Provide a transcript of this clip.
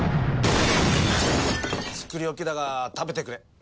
作り置きだが食べてくれ。